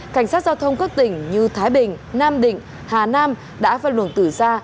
cảnh sát giao thông các tỉnh như thái bình nam định hà nam đã phải lường tử ra